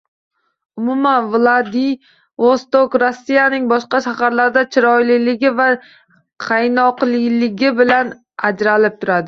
Umuman, Vladivostok Rossiyaning boshqa shaharlaridan chiroyliligi va qaynoqligi bilan ajralib turadi